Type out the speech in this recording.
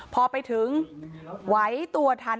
พอไปถึงไหวตัวทัน